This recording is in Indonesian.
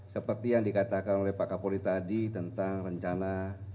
seperti yang dikatakan oleh pak kapolri tadi tentang rencana